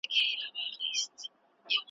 له درنو درنوبارو وم تښتېدلی .